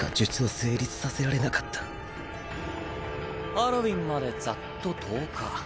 ハロウィンまでざっと１０日。